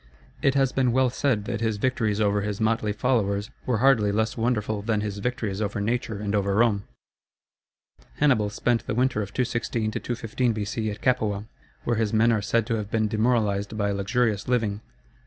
It has been well said that his victories over his motley followers were hardly less wonderful than his victories over nature and over Rome. Hannibal spent the winter of 216 215 B.C. at Capua, where his men are said to have been demoralized by luxurious living.